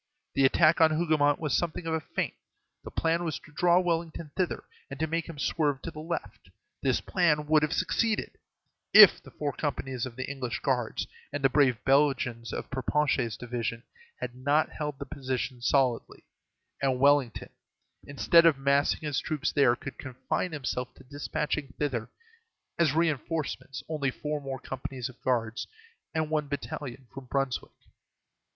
The attack on Hougomont was something of a feint; the plan was to draw Wellington thither, and to make him swerve to the left. This plan would have succeeded if the four companies of the English guards and the brave Belgians of Perponcher's division had not held the position solidly, and Wellington, instead of massing his troops there, could confine himself to despatching thither, as reinforcements, only four more companies of guards and one battalion from Brunswick.